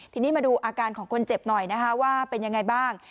ทีนี้มาดูอาการของคนเจ็บหน่อยนะคะว่าเป็นยังไงบ้าง